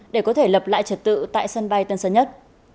để có thể lập lại trật tự tại sân bay tân sơn nhất